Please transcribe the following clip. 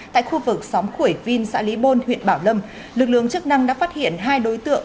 tại khu vực xóm khuổi vin xã lý bôn huyện bảo lâm lực lượng chức năng đã phát hiện hai đối tượng